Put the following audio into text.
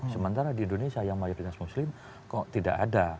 sementara di indonesia yang mayoritas muslim kok tidak ada